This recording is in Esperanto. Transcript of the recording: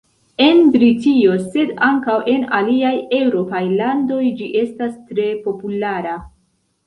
En Britio sed ankaŭ en aliaj eŭropaj landoj ĝi estas tre populara.